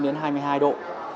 một mươi chín đến hai mươi hai độ